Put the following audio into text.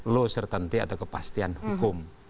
low certainty atau kepastian hukum